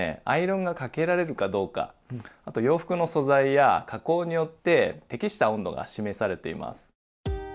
アイロンがかけられるかどうかあと洋服の素材や加工によって適した温度が示されています。